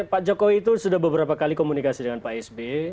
pak jokowi itu sudah beberapa kali komunikasi dengan pak sb